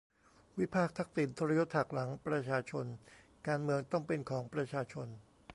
วิพากษ์ทักษิณ ทรยศหักหลังประชาชน การเมืองต้องเป็นของประชาชน